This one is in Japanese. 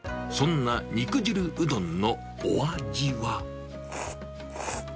そんな肉汁うどんのお味は。